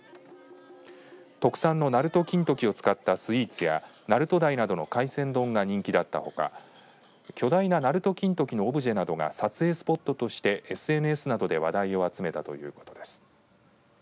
特産のなると金時を使ったスイーツや鳴門鯛などの海鮮丼が人気だったほか巨大ななると金時のオブジェなどが撮影スポットとしてＳＮＳなどで話題を集めたということです。